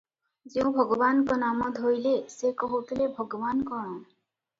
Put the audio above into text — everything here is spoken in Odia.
ଯେଉଁ ଭଗବାନଙ୍କ ନାମ ଧଇଲେ ସେ କହୁଥିଲେ ଭଗବାନ୍ କଣ?